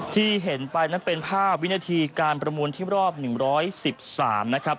ที่เห็นไปนั้นเป็นภาพวินาทีการประมูลที่รอบ๑๑๓นะครับ